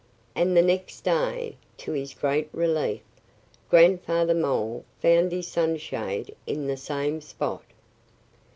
And the next day, to his great relief, Grandfather Mole found his sunshade in the same spot.